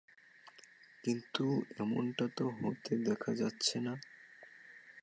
কিন্তু এমনটা তো হতে দেখা যাচ্ছে না।